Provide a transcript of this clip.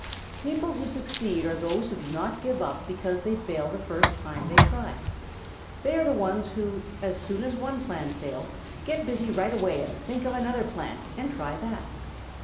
People who succeed are those who do not give up because they fail the first time they try. They are the ones who, as soon as one plan fails, get busy right away and think of another plan and try that.